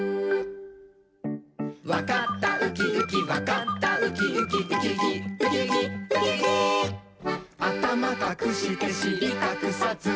「わかったウキウキわかったウキウキ」「ウキウキウキウキウキウキ」「あたまかくしてしりかくさず」